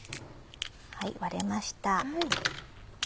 割れました。